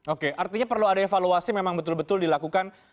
oke artinya perlu ada evaluasi memang betul betul dilakukan